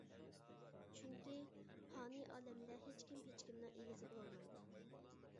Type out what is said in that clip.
چۈنكى، پانىي ئالەمدە ھېچكىم ھېچكىمنىڭ ئىگىسى بولالمايدۇ.